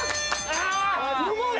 すごい！